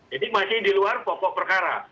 jadi masih di luar pokok perkara